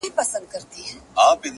پلار یې ویل څارنوال ته وخت تېرېږي,